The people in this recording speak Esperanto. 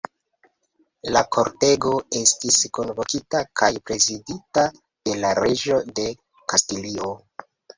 La kortego estis kunvokita kaj prezidita de la reĝo de Kastilio.